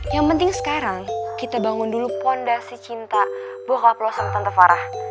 yang penting sekarang kita bangun dulu fondasi cinta bokap lo sama tante farah